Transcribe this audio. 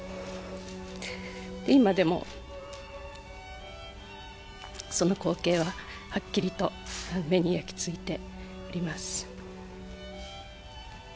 今でもその光景ははっきりと目に焼きついております。